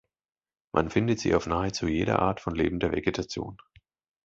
Man findet sie auf nahezu jeder Art von lebender Vegetation.